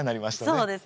そうですね。